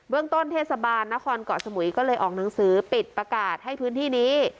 เรื่องต้นเทศบาลนครเกาะสมุยก็เลยออกหนังสือปิดประกาศให้พื้นที่นี้